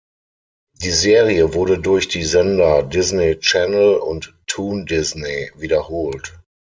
Die Serie wurde durch die Sender Disney Channel und Toon Disney wiederholt.